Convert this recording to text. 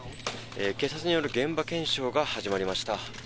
警察による現場検証が始まりました。